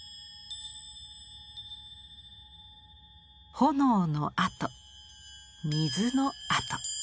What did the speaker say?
炎の跡水の跡。